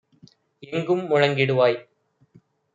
எங்கும் முழங்கிடுவாய்!